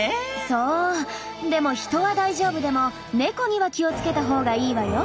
そうでもヒトは大丈夫でもネコには気をつけたほうがいいわよ。